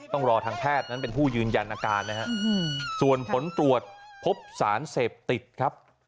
ต้องรอทางแพทย์นั้นเป็นผู้ยืนยันอาการนะฮะส่วนผลตรวจพบสารเสพติดครับ